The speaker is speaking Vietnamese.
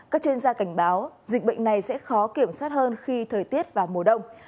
các chuyên gia cảnh báo dịch bệnh này sẽ khó kiểm soát hơn khi thời tiết vào mùa đông